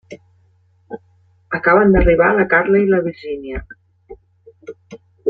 Acaben d'arribar la Carla i la Virgínia.